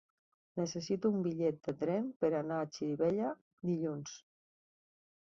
Necessito un bitllet de tren per anar a Xirivella dilluns.